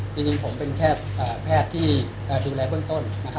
จริงผมเป็นแค่แพทย์ที่ดูแลเบื้องต้น